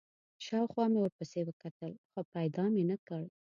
شاوخوا مې ورپسې وکتل، خو پیدا مې نه کړ.